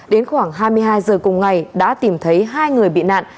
đến khoảng hai mươi hai giờ cùng ngày đã tìm thấy hai người bị nạn